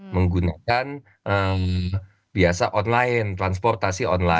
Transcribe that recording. menggunakan biasa online transportasi online